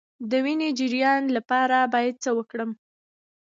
د وینې د جریان لپاره باید څه وکړم؟